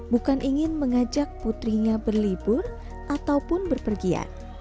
bukan ingin mengajak putrinya berlibur ataupun berpergian